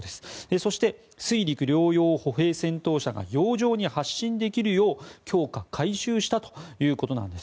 そして、水陸両用歩兵戦闘車が洋上に発信できるよう強化改修したということなんです。